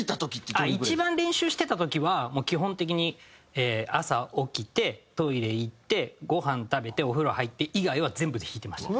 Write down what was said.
一番練習してた時はもう基本的に朝起きてトイレ行ってごはん食べてお風呂入って以外は全部弾いてました。